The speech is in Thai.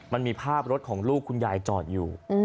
มันมีภาพรถของลูกคุณยายจอดอยู่